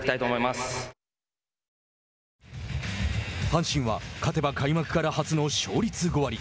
阪神は勝てば開幕から初の勝率５割。